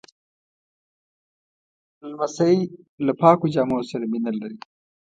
لمسی له پاکو جامو سره مینه لري.